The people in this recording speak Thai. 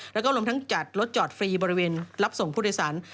แล้วก็รวมทั้งจัดรถจอดฟรีบริเวณรับส่งผู้โดยสาร